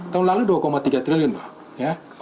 tahun lalu dua tiga triliun loh